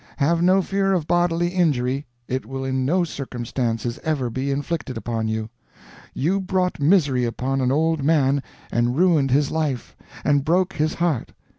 Have no fear of bodily injury it will in no circumstances ever be inflicted upon you. You brought misery upon an old man, and ruined his life and broke his heart.